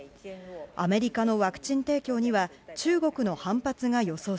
アメリカのワクチン提供には中国の反発が予想されます。